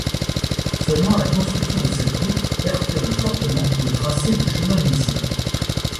Seulement, la construction de cette route perturbe fortement le tracé du chemin initial.